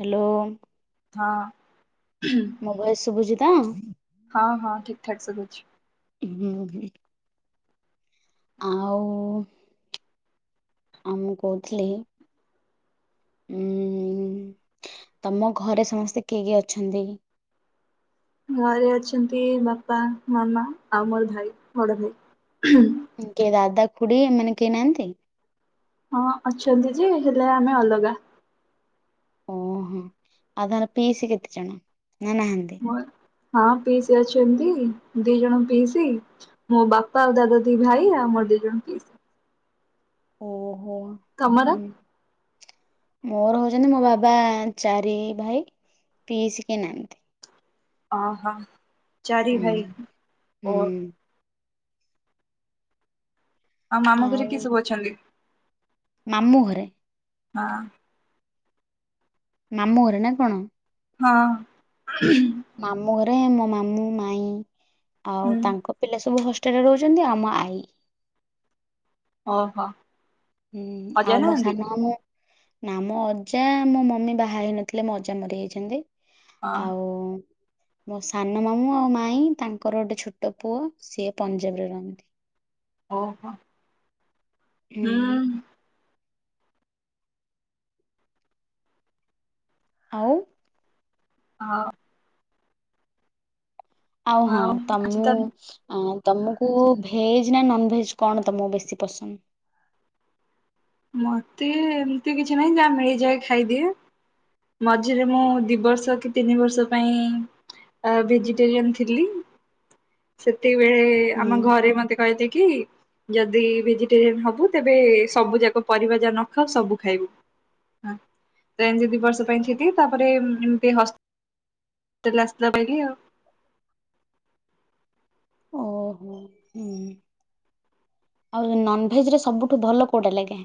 Hello! ହଁ,। ମୋ voice ସୁଭୁଛି ତ? ହଁ, ହଁ, ଠିକ ଠାକ୍ ସୁଭୁ। ହୁଁ, ହୁଁ। ଆଉ, ଆ ମୁଁ କହୁଥିଲି ହୁଁ, ତମ ଘରେ ସମସ୍ତେ କିଏ କିଏ ଅଛନ୍ତି? ଘରେ ଅଛନ୍ତି, ବାପା, ମାମା, ଆଉ ମୋର ଭାଇ ବଡ ଭାଇ। କିଏ ଦାଦା, ଖୁଡି ଏମାନେ କେହି ନାହାନ୍ତି? ହଁ, ଅଛନ୍ତି ଯେ, ହେଲେ ଆମେ ଅଲଗା। ଓହୋ! ଆଉ ତାହେଲେ ପିଇସି କେତେଜଣ ନା ନାହାନ୍ତି? ହଁ, ପିଇସି ଅଛନ୍ତି। ଦି ଜଣ ପିଇସି। ମୋ ବାପା ଆଉ ଦାଦା ଦି ଭାଇ, ଆଉ ମୋର ଦିଇ ଜଣ ପିଇସି। ଓହୋ! ତମର? ହୁଁ। ମୋର ହଉଛନ୍ତି, ମୋ ବାବା ଚାରି ଭାଇ ପିଇସି କିଏ ନାହାନ୍ତି। ଅହ, ଚାରି ଭାଇ ହୁଁ ଓ ହୁଁ ଆଉ ମାମୁଁ ଘରେ କିଏ ସବୁ ଅଛନ୍ତି? ମାମୁଁ ଘରେ? ହଁ। ମାମୁଁ ଘରେ ନା କଣ? ହଁ। ମାମୁଁ ଘରେ, ମୋ ମାମୁଁ, ମାଇଁ ହୁଁ ଆଉ ତାଙ୍କ ପିଲା ସବୁ ହଷ୍ଟେ ହଷ୍ଟେଲ ରେ ରହୁଛନ୍ତି ଆଉ ମୋ ଆଈ ଓହୋ! ହୁଁ, ଅଜା ଆଉ ମୋ ନାହାନ୍ତି? ସାନ ମାମୁଁ ନାଁ ମୋ ଅଜା ମୋ ମମି ବାହା ହେଇନଥିଲେ ମୋ ଅଜା ମରିଯାଇଛନ୍ତି। ହଁ ଆଉ ମୋ ସାନ ମାମୁଁ ଆଉ ମାଇଁ ତାଙ୍କର ଗୋଟେ ଛୋଟ ପୁଅ ସିଏ ପଞ୍ଜାବରେ ରହନ୍ତି। ଓହୋ! ହୁଁ। ଆଉ? ହଁ। ଆଉ ହଁ ତ ଆଜି ମୁଁ ତାହେଲେ ଆ ତମକୁ ଭେଜ୍‌ ନା ନନ୍‌ ଭେଜ୍‌ କଣ ତମକୁ ବେଶୀ ପସନ୍ଦ? ମତେ ଏମିତି କିଛି ନାହିଁ ଯାହା ମିଳିଯାଏ ଖାଇଦିଏ। ମଝିରେ ମୁଁ ଦି ବର୍ଷ କି ତିନି ବର୍ଷ ପାଇଁ ଭେଜିଟେରିୟନ ଥିଲି। ସେତିକବେଳେ ହୁଁ ଆମ ଘରେ ମତେ କହିଥିଲେ କି ଯଦି ଭେଜିଟେରିଆନ ହବୁ ତେବେ ସବୁ ଯାକ ପରିବା ଯାହା ନ ଖାଉ ସବୁ ଖାଇବୁ। ତେ ଏମିତି ଦି ବର୍ଷ ପାଇଁ ଯିବି ତା ପରେ ଏମିତି ହଷ୍ [unintelligible] ଓହୋ ହୁଁ। ଆଉ ନନ୍ ଭେଜ ରେ ସବୁଠୁ ଭଲ କଉଟା ଲାଗେ?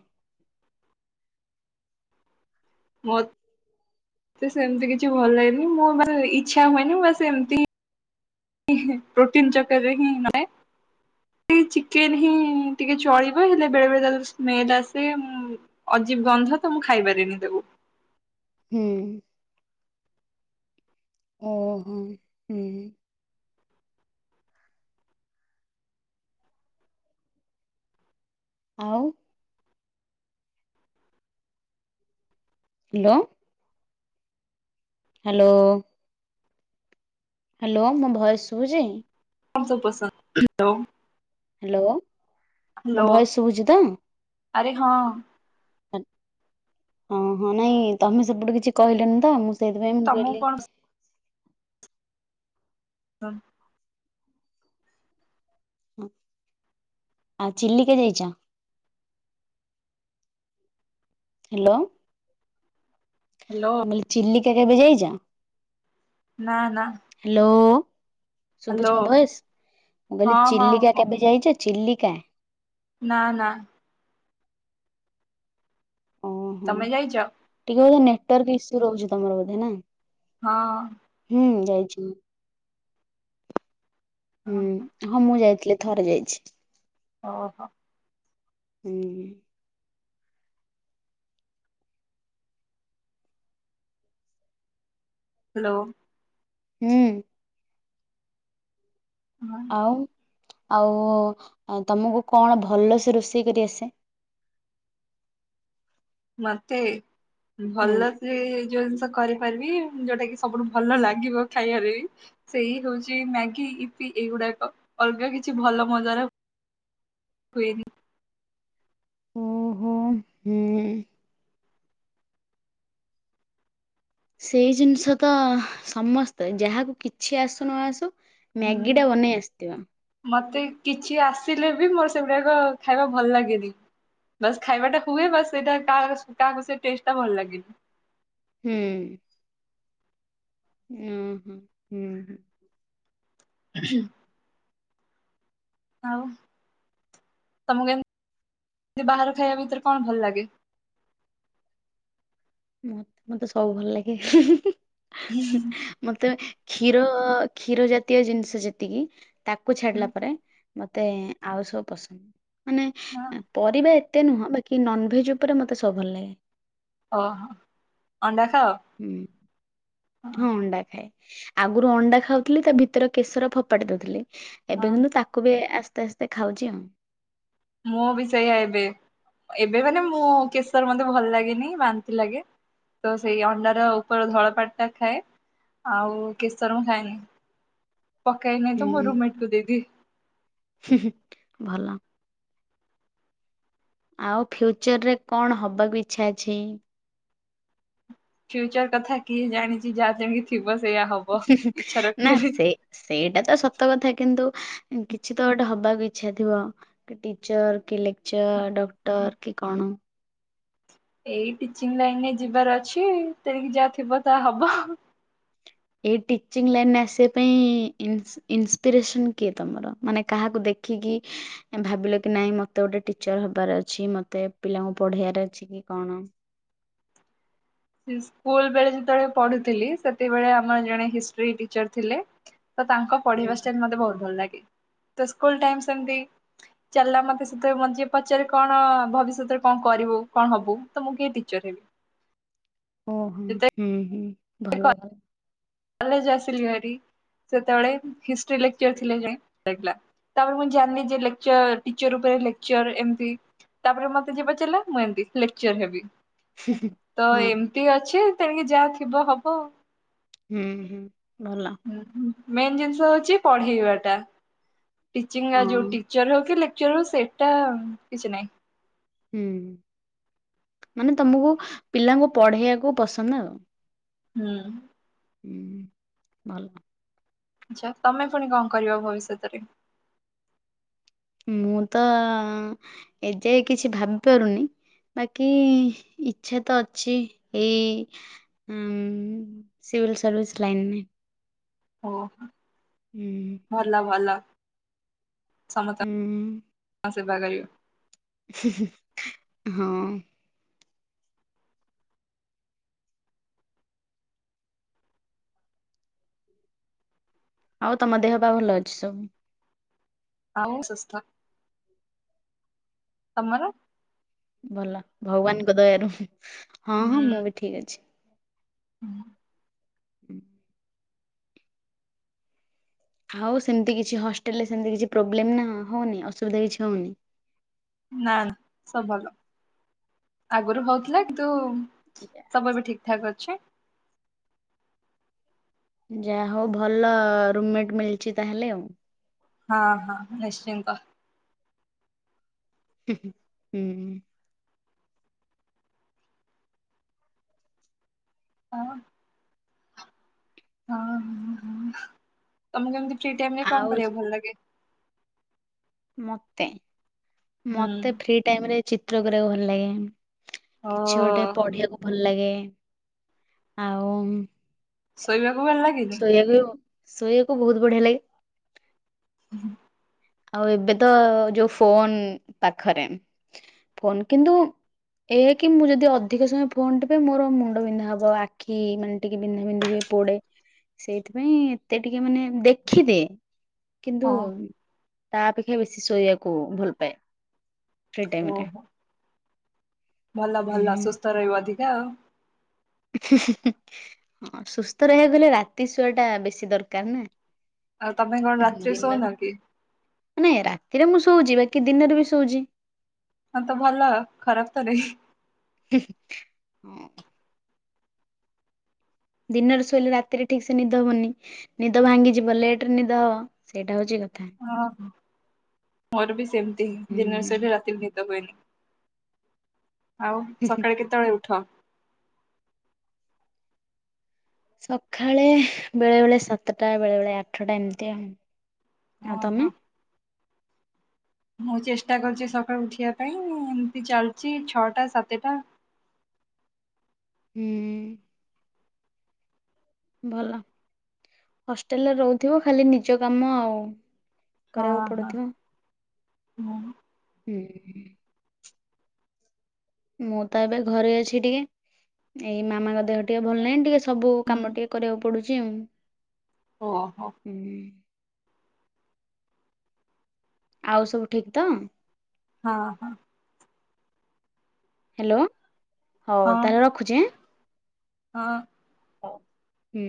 ମତେ ସେମିତି କିଛି ଭଲ ହେଇନି ମୁଁ ମାନେ ଇଚ୍ଛା ହୁଏନି ବା ସେମିତି ହିଁ। ପ୍ରୋଟିନ୍ ଚକରେ ହିଁ ନୁହେଁ। ସେ ଚିକେନ ହିଁ ଟିକେ ଚଳିବ ହେଲେ ବେଳେ ବେଳେ ତା ସ୍ମେଲ ଆସେ। ଅଜୀବ ଗନ୍ଧ ତ ମୁଁ ଖାଇପାରିବିନି ତାକୁ। ହୁଁ। ଓହୋ। ହୁଁ। ଆଉ? Hello hello. ହ୍ୟାଲୋ ମୋ ଭଏସ ଶୁଭୁଚି। କଣ ସବୁ ପସନ୍ଦ ହ୍ୟାଲୋ। ହ୍ୟାଲୋ ମୋ ହ୍ୟାଲୋ ଭଏସ ଶୁଭୁଛିିତ? ଆରେ ହଁ ହଁ ହଁ ନାଇଁ ତମେ ସେପଟୁ କିଛି କହିଲନି ତ ମୁଁ ସେଇଥିପାଇଁ ମୁଁ ତମକୁ କହିଲି କଣ ହଁ। ହଁ ଆଉ ଚିଲିକା ଯାଇଚ? ହ୍ୟାଲୋ। ହ୍ୟାଲୋ। ମୁଁ କହିଲି ଚିଲିକା କେବେ ଯାଇଛ? ନା ନା। ହ୍ୟାଲୋ ହ୍ୟାଲୋ ସୁୁଭୁଚି ମୋ ଭଏସ ମୁଁ କହିଲି ହଁ ହଁ ଚିଲିକା କେବେ ଯାଇଛ? ଚିଲିିକା। ନା ନା। ଓହୋ ତମେ ଯାଇଚ? ଟିକେ ନେଟୱାର୍କ ଇସୁ ରହୁଛି ତମର ବୋଧେ ନା? ହଁ। ହୁଁ ଯାଇଚି। ହୁଁ ହଁ ମୁଁ ଯାଇଥିଲି ଥରେ ଯାଇଛି। ଓହୋ। ହୁଁ। ହ୍ୟାଲୋ। ହୁଁ। ହଁ ଆଉ ଆଉ ତମକୁ କଣ ଭଲସେ ରୋଷେଇ କରି ଆସେ? ମତେ ହୁଁ ଭଲ ସେ ଯୋଉ ଜିନିଷ କରିପାରିବି ଯୋଉଟା କି ସବୁଠୁ ଭଲ ଲାଗିବ ଖାଇବାରେ ବି ସେଇ ହଉଛି ମ୍ୟାଗି ଇିପି ଏଇଗୁଡାକ ଅଲଗା କିଛି ଭଲ ମଜାର ହୁଏନି। ଓ ହୋ ହୁଁ। ସେଇ ଜିନିଷ ତ ସମସ୍ତେ ଯାହାକୁ କିଛି ଆସୁ ନ ଆସୁ ହୁଁ ମ୍ୟାଗିଟା ବନେଇ ଆସିଥିବ। ମତେ କିଛି ଆସିଲେ ବି ମୋର ସେଗୁଡାକ ଖାଇବା ଭଲ ଲାଗେନି। ବାସ୍ ଖାଇବାଟା ହୁଏ ବାସ୍ ସେଇଟା କାହା କାହାକୁ ସେ ଟେଷ୍ଟଟା ଭଲ ଲାଗେନି। ହୁଁ ଓ ହୋ ହୁଁ ହଁ। ହୁଁ। ଆଉ ତମକୁ ବାହାର ଖାଇବା ଭିତରେ କଣ ଭଲ ଲାଗେ? ମତେ ମତେ ସବୁ ଭଲ ଲାଗେ ମତେ କ୍ଷୀ ଯୋ କ୍ଷୀର ଜାତୀୟ ଜିନିଷ ଯେତିକି ତାକୁ ହୁଁ, ଛାଡିଲା ପରେ ମତେ ଆଉ ସବୁ ପସନ୍ଦ ହଁ, ମାନେ ପରିବା ଏତେ ନୁହଁ ବଟ କି ନନ୍ ଭେଜ୍ ଉପରେ ମତେ ସବୁ ଭଲ ଲାଗେ। ଅହ ଅଣ୍ଡା ଖାଅ? ହୁଁ। ହଁ ଅଣ୍ଡା ଖାଏ ଆଗୁରୁ ଅଣ୍ଡା ଖାଉଥିଲି ତା ଭିତରେ କେଶର ଫୋପାଡି ଦଉଥିଲି। ହଁ ଏବେ କିନ୍ତୁ ତାକୁ ବି ଆସ୍ତେ ଆସ୍ତେ ଖାଉଛି ଆଉ। ମୁଁ ବି ସେଇଆ ଏବେ ଏବେ ମାନେ ମୁଁ କେଶର ମତେ ଭଲ ଲାଗେନି ବାନ୍ତି ଲାଗେ ତ ସେଇ ଅଣ୍ଡାର ଉପର ଧଳାପାଟ ଟା ଖାଏ। ଆଉ କେଶର ମୁଁ ଖାଏନି ପକେଇନାଇତ ମୋ ହୁଁ ରୁମମେଟକୁ ଦେଇଦିଏ। ହୁଁ ହୁଁ ଭଲ। ଆଉ ଫ୍ୟୁଚର ରେ କଣ ହବାକୁ ଇଛା ଅଛି? ଫ୍ୟୁଚର କଥା କିଏ ଜାଣିଛି ଯାହା ଯେମିତି ଥିବ ସେଇୟା ହବ ହୁଁ ହୁଁ ଇଚ୍ଛା ନା ରଖିଲେ ବି ସେ ସେଇଟା ତ ସତ କଥା କିନ୍ତୁ କିଛି ତ ଗୋଟେ ହବାକୁ ଇଚ୍ଛା ଥିବ। କି ଟିଚର କି ଲେକ୍ଚର ଡକ୍ଟର କି କଣ? ଏଇ ଟିଚିଂ ଲାଇନ ରେ ଯିବାର ଅଛି ତେଣିକି ଯାହା ଥିବ ତାହା ହବ। ଏଇ ଟିଚିଂ ଲାଇନ୍ରେ ଆସିବା ପାଇଁ ଇନ୍ସ ଇନ୍ସପିରେସନ୍ କିଏ ତମର ମାନେ କାହାକୁ ଦେଖିକି ଭାବିଲ କି ନାଇଁ ମତେ ଗୋଟେ ଟିଚର ହବାର ଅଛି ମତେ ପିଲାଙ୍କୁ ପଢେଇବାର ଅଛି କି କଣ ସ୍କୁଲ ବେଳେ ଯେତେବେଳେ ପଢୁଥିଲି ସେତେବେଳେ ଆମର ଜଣେ ହିଷ୍ଟ୍ରି ଟିଚର ଥିଲେ ତ ତାଙ୍କ ହୁଁ। ପଢିବା ଷ୍ଟାଇଲ ମତେ ବହୁତ ଭଲ ଲାଗେ ତ ସ୍କୁଲ ଟାଇମ ସେମତି ଚାଲିଲା ମତେ ସେଥିରେ ମତେ ଯିଏ ପଚାରେ କଣ ଭବିଷ୍ୟତରେ କଣ କରିବୁ କଣ ହବୁ ତ ମୁଁ କୁହେ ଟିଚର ହେବି। ଓହୋ ଯେତେବେଳେ ହୁଁ ହୁଁ ଭଲ ଭଲ। କଲେଜ ଆସିଲିଭାରୀ ସେତେବେଳେ ହିଷ୍ଟ୍ରି ଲେକଚର ଥିଲେ ଜାଇଁ ହେଇଥିଲା। ତାପରେ ମୁଁ ଜାଣିଲି ଯେ ଲେଖଚର ଟିଚର ଉପରେ ଲେକ୍ଚର ଏମତି ତାପରେ ମତେ ଜିଏ ପଚାରିଲା ମୁଁ ଏମତି ଲେକଚର ହେବି। ହୁଁ ହୁଁ ତ ଏମିତି ଅଛି ତେଣିକି ଯାହା ଥିବ ହବ। ହୁଁ ହୁଁ ଭଲ। ହଁ ମେନ୍ ଜିନିଷ ହଉଛି ପଢେଇବା ଟା। ଟିଚିଙ୍ଗ ଯୋଉ ହଁ। ଟିଚର ହଉ କି ଲେକ୍ଚର ହଉ ସେଟା କିଛି ନାଇଁ। ହୁଁ ମାନେ ତମକୁ ପିଲାଙ୍କୁ ପଢେଇବାକୁ ପସନ୍ଦ ଆଉ। ହୁଁ। ହୁଁ ଭଲ। ଆଚ୍ଛା ତମେ ଫୁଣି କଣ କରିବ ଭବିଷ୍ୟତରେ। ମୁଁତ ଏଯାଏଁ କିଛି ଭାବି ପାରୁନି ବାକି ଇଚ୍ଛାତ ଅଛି ଏଇ ଉୁଁ ସିଭିିଲ ସର୍ଭିସ ଲାଇନରେ ଓହୋ। ହୁଁ। ଭଲ ଭଲ ହୁଁ ସମସ୍ତଙ୍କ ସେବା କରିବ। ହିଁ ହିଁ ହଁ ଆଉ ତମ ଦେହପା ଭଲଅଛି ସବୁ। ଆଉ ମୁଁ ସୁସ୍ଥ ତମର ଭଲ ଭଗବାନଙ୍କ ଦୟାରୁ ହଁ ହଁ ମୁଁବି ଠିକ ଅଛି। ହୁଁ। [unintelligible] ଆଉ ସେମିତି କିଛି ହଷ୍ଟେଲରେ ସେମିତି କିଛି ପ୍ରୋବ୍ଲେମନା ହଉନି ଅସୁବିଧା କିଛି ହଉନି। ନାଁ ନାଁସବୁ ଭଲ ଆଗରୁ ହଉଥିଲା କିନ୍ତୁ ସବୁବି ଠିକ ଠାକ ଅଛି। ଯାହା ହଉ ଭଲ ରୁମମେଟ ମିଳିଛି ତାହେଲେ ଆଉ ହଁ ହଁ ନିଶ୍ଚିନ୍ତ। ହୁଁ-ହୁଁ-ହୁଁ-ହୁଁ ହଁ। ହଁଁ ହୁଁ ହୁଁ ତମକୁ ଏମିତି ଫ୍ରି ଟାଇମରେ କଣ ଆଉ କରିବାକୁ ଭଲ ଲାଗେ? ମତେ ହୁଁ ମତେ ଫ୍ରି ଟାଇମରେ ଚିତ୍ର କରିବାକୁ ଭଲ ଲାଗେ। କିଛି ଗୋଟେ ଓ ପଢିବାକୁ ଭଲ ଲାଗେ ଆଉ ଶୋଇବାକୁ ଭଲ ଲାଗେ। ଶୋଇବାକୁ ଶୋଇବାକୁ ବହୁତ ବଢିଆ ଲାଗେ। [unintelligible] ଆଉ ଏବେତ ଯୋଉ ଫୋନ ପାଖରେ ଫୋନ କିନ୍ତୁ ଏଆକି ମୁଁ ଯଦି ଅଧିକ ସମୟ ଫୋନଟିପେ ମୋର ମୁଣ୍ଡ ବିନ୍ଧା ହବ ଆଖି ମାନେ ଟିକେ ବିନ୍ଧା ବିନ୍ଧି ହୁଏ। ପୋଡେ ସେଇଥିପାଇଁ ଏତେ ଟିକିଏ ମାନେ ଦେଖିଦିଏ କିନ୍ତୁ ହଁ। ତା ଅପେକ୍ଷା ବେଶୀ ଶୋଇବାକୁ ଭଲପାଏ ଫ୍ରି ଟାଇମଟା। ଓହୋ। ଭଲ ଭଲ ହୁଁ। ସୁସ୍ଥ ରହିବ ଅଧିକା ଆଉ ହିଁ ହିଁ ହୁଁ ହୁଁ ସୁସ୍ଥ ରହିବାକୁ ହେଲେ ରାତି ଶୁଆଟା ବେଶୀ ଦରକାରନା ଆଉ ତମେ କଣ ରାତିରେ ଶୋଉନକି? ନାଇଁ ରାତିରେ ମୁଁ ଶୋଉଛି ବାକି ଦିନରେବି ଶୋଉଚି। ହଁତ ଭଲ ଖରାପତ ନୁହେଁ। [unintelligible] ଉୁଁ। ଦିନରେ ଶୋଇଲେ ରାତିରେ ଠିକସେ ନିଦ ହବନି ନିଦ ଭାଙ୍ଗିଯିବ ଲେଟରେ ନିଦହବ। ସେଇଟା ହଉଚି କଥା। ହଁ ହଁ ମୋରବି ସେମତି ହୁଁ ଦିନରେ ଶୋଇଲେ ହୁଁ। ରାତିରେ ନିଦ ହୁଏନି। ଆଉ ସକାଳେ କେତେବେଳେ ଉଠ? ସକାଳେ ବେଳେବେଳେ ସାତଟା ବେଳେବେଳେ ଆଠଟା ଏମିତି ଆଉ ଆଉ ତମେ। ଓହୋ। ମୁଁ ଚେଷ୍ଟା କରୁଚି ସକାଳୁ ଉଠିବା ପାଇଁ ଏମିତି ଚାଲିଚି ଛଅଟା ସାତଟା। ହୁଁ। ଭଲ ହଷ୍ଟେଲରେ ରହୁଥିବ ଖାଲି ନିଜ କାମ ଆଉ। ହଁ କରିବାକୁ ହଁ ପଡୁଥିବ ହୁଁ। ହୁଁ। ମୁଁ ତ ଏବେ ଘରେ ଅଛି ଟିକେ। ଏଇ ମାମାଙ୍କ ଦେହ ଟିକେ ଭଲ ନାହିଁ ଟିକେ ସବୁ କାମ ଟିକେ କରିବାକୁ ପଡୁଚି ଆଉ। ଓହୋ। [unintelligible] ଆଉ ସବୁ ଠିକ୍ ତ? ହଁ ହଁ। ହ୍ୟାଲୋ ହଉ ହଁ ତାହେଲେ ରଖୁଚି। ହଁ। ହଉ ହୁଁ।